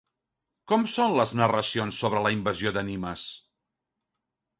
Com són les narracions sobre la invasió de Nimes?